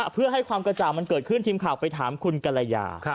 เพื่อให้ความกระจ่างมันเกิดขึ้นทีมข่าวไปถามคุณกรยา